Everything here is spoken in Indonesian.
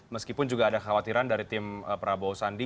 meskipun juga ada khawatiran dari tim prabowo sandi